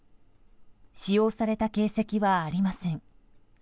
使用された形跡はありません。